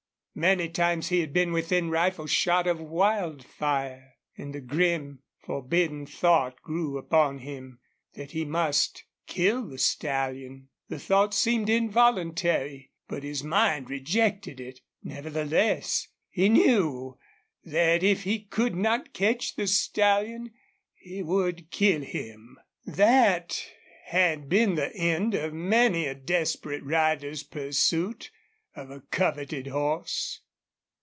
Many times he had been within rifle shot of Wildfire. And the grim, forbidding thought grew upon him that he must kill the stallion. The thought seemed involuntary, but his mind rejected it. Nevertheless, he knew that if he could not catch the stallion he would kill him. That had been the end of many a desperate rider's pursuit of a coveted horse.